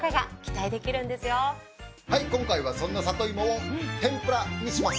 今回はそんな里芋を天ぷらにします。